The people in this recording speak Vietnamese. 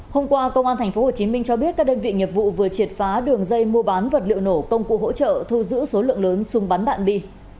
hôm qua công an tp hcm cho biết các đơn vị nghiệp vụ vừa triệt phá đường dây mua bán vật liệu nổ công cụ hỗ trợ thu giữ số lượng lớn súng bắn đạn bi